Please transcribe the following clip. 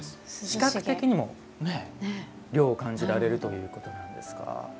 視覚的にも涼を感じられるということなんですか。